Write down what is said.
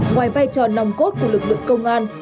ngoài vai trò nòng cốt của lực lượng công an